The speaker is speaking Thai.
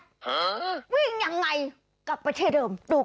หวิ่งอย่างไรกลับประเทศเดิมดูค่ะ